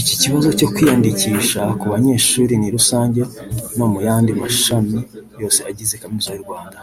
Iki kibazo cyo kwiyandikisha ku banyeshuri ni rusange no mu yandi mashami yose agize kaminuza y’u Rwanda